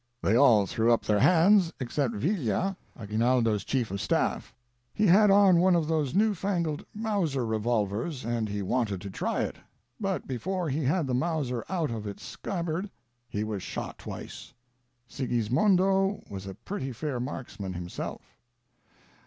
They all threw up their hands ex cept Villia, Aguinaldo's chief of staff; he had on one of those new fangled Mauser revolvers and he wanted to try it. But before he had the Mauser out of its scabbard he was shot twice; Sigismondo was a pretty fair marksman himself.